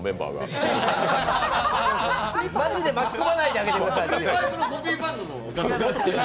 違います、マジで巻き込まないであげてください。